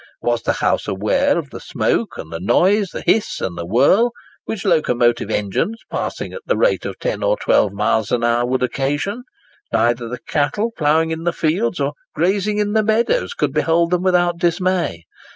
Was the house aware of the smoke and the noise, the hiss and the whirl, which locomotive engines, passing at the rate of 10 or 12 miles an hour, would occasion? Neither the cattle ploughing in the fields or grazing in the meadows could behold them without dismay.